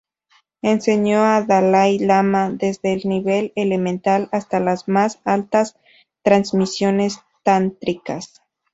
Enseñó al Dalai Lama desde el nivel elemental hasta las más altas transmisiones Tántricas.